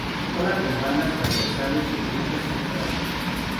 Cola con bandas transversales negruzcas y castañas.